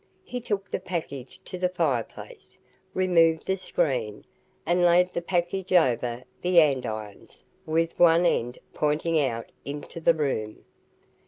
He took the package to the fireplace, removed the screen, and laid the package over the andirons with one end pointing out into the room.